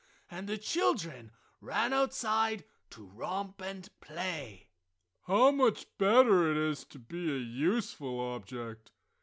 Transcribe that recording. And the children ran outside to romp and play. "How much better it is to be a useful object!"